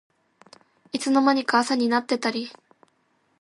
いつの間にか朝になってたり